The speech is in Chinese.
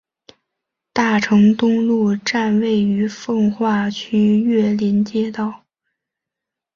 大成东路站位于奉化区岳林街道。